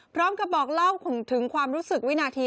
พร้อมกับบอกเล่าถึงความรู้สึกวินาที